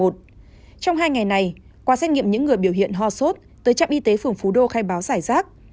trong hai ngày này qua xét nghiệm những người biểu hiện ho sốt tới trạm y tế phường phú đô khai báo giải rác